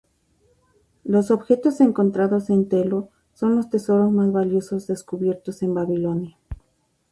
Los objetos encontrados en Tello son los tesoros más valiosos descubiertos en Babilonia.